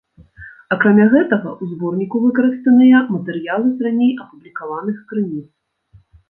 Акрамя гэтага, у зборніку выкарыстаныя матэрыялы з раней апублікаваных крыніц.